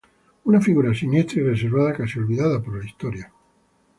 Una figura siniestra y reservada, casi olvidada por la historia.